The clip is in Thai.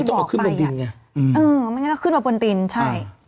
มันจะออกขึ้นบนตินไงเออมันก็ขึ้นมาบนตินใช่